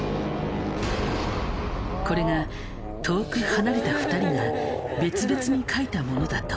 これが遠く離れた２人が別々に描いたものだとは。